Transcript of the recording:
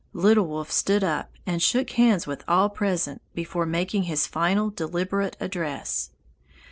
Little Wolf stood up and shook hands with all present before making his final deliberate address.